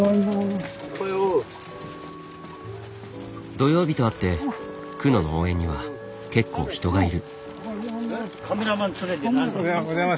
土曜日とあって区の農園には結構人がいる。